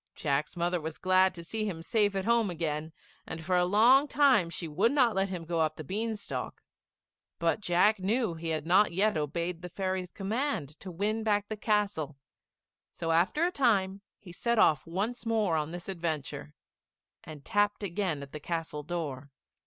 Jack's mother was glad to see him safe at home again, and for a long time she would not let him go up the bean stalk; but Jack knew he had not yet obeyed the fairy's command to win back the castle, so after a time he set off once more on this adventure, and tapped again at the castle door.